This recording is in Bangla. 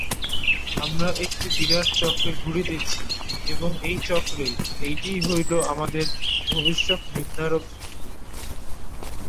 আমরা একটি বিরাট চক্রে ঘুরিতেছি এবং এই চক্রে এইটিই হইল আমাদের ভবিষ্যৎ-নির্ধারক বিন্দু।